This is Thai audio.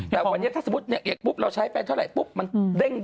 แต่วันนี้ถ้าสมมุติเอกปุ๊บเราใช้ไปเท่าไหร่ปุ๊บมันเด้ง